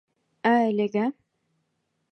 Ә әлегә!